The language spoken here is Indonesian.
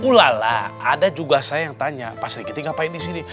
ulala ada juga saya yang tanya pak sri kitty ngapain di sini